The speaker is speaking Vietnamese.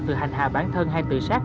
từ hành hạ bản thân hay tự sát